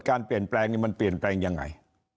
การเปลี่ยนแปลงนี่มันเปลี่ยนแปลงยังไง